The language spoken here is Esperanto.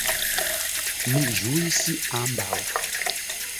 Mi ĝuis ambaŭ.